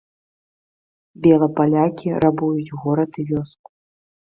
Белапалякі рабуюць горад і вёску.